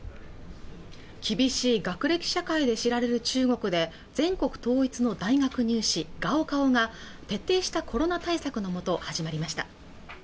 厳しい学歴社会で知られる中国で全国統一の大学入試高考が徹底したコロナ対策のもと始まりました